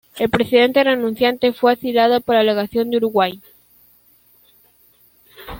El presidente renunciante fue asilado en la Legación del Uruguay.